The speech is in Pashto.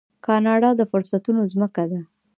کاناډا د فرصتونو ځمکه ده.